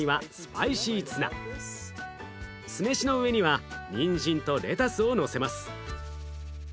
酢飯の上にはにんじんとレタスをのせます。